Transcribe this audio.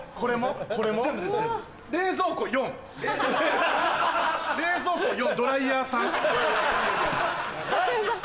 冷蔵庫４ドライヤー３？有吉さん